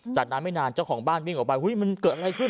จากนั้นไม่นานเจ้าของบ้านวิ่งออกไปมันเกิดอะไรขึ้น